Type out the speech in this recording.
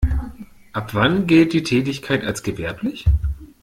Ab wann gilt die Tätigkeit als gewerblich?